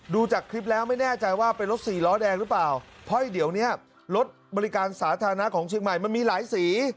ดูจากคลิปแล้วไม่แน่ใจว่าเป็นรถสี่ล้อแดงหรือเปล่าเพราะเดี๋ยวเนี้ยรถบริการสาธารณะของเชียงใหม่มันมีหลายสี